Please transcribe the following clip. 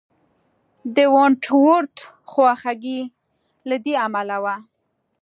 د ونټ ورت خواخوږي له دې امله وه.